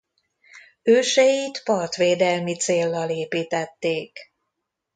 Őseit partvédelmi céllal építették.